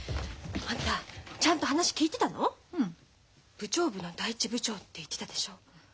部長部の第一部長って言ってたでしょ。